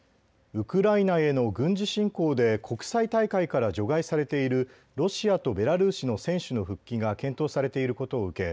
ウクライナへの軍事侵攻で国際大会から除外されているロシアとベラルーシの選手の復帰が検討されていることを受け